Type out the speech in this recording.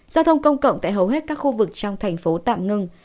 giao thông công cộng tại hầu hết các khu vực trong thành phố tạm ngưng